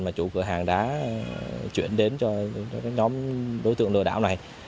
mà chủ cửa hàng đã chuyển đến cho nhóm đối tượng lừa đảo này